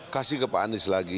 kasih ke pak anies lagi